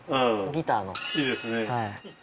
いいですね。